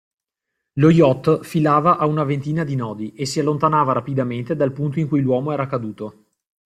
Lo yacht filava a una ventina di nodi e si allontanava rapidamente dal punto in cui l'uomo era caduto.